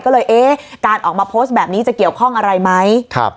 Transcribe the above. ก็เลยเอ๊ะการออกมาโพสต์แบบนี้จะเกี่ยวข้องอะไรไหมครับ